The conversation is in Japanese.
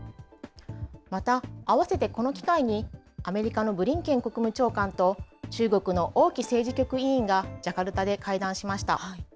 また、あわせてこの機会に、アメリカのブリンケン国務長官と、中国の王毅政治局委員がジャカルタで会談しました。